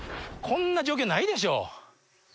こんな状況ないでしょ。